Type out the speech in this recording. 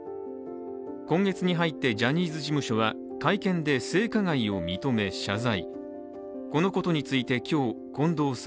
今月に入ってジャニーズ事務所は会見で性加害を認め謝罪。